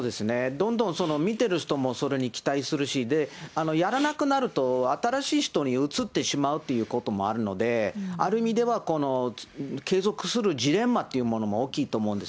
どんどん見てる人もそれに期待するし、で、やらなくなると、新しい人にうつってしまうということもあるので、ある意味では、この継続するジレンマっていうものも大きいと思うんです。